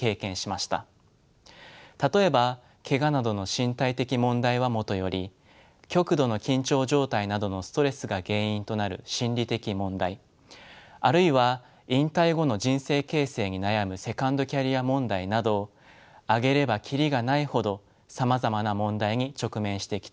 例えばけがなどの身体的問題はもとより極度の緊張状態などのストレスが原因となる心理的問題あるいは引退後の人生形成に悩むセカンドキャリア問題など挙げればキリがないほどさまざまな問題に直面してきたわけです。